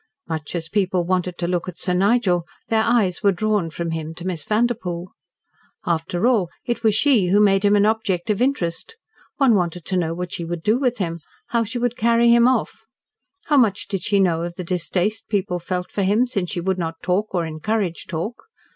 Much as people wanted to look at Sir Nigel, their eyes were drawn from him to Miss Vanderpoel. After all it was she who made him an object of interest. One wanted to know what she would do with him how she would "carry him off." How much did she know of the distaste people felt for him, since she would not talk or encourage talk?